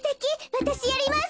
わたしやります。